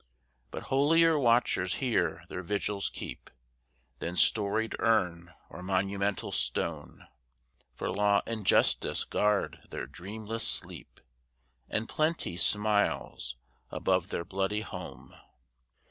But holier watchers here their vigils keep Than storied urn or monumental stone; For Law and Justice guard their dreamless sleep, And Plenty smiles above their bloody home.